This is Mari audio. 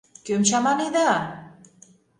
— Кӧм чаманеда?